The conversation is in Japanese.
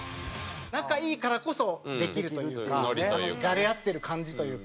仲いいからこそできるというかじゃれ合ってる感じというか。